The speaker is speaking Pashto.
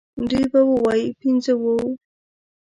دوی به ووايي پنځه وو.